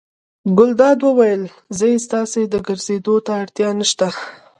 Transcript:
ګلداد وویل: ځئ ستاسې ګرځېدو ته اړتیا نه شته.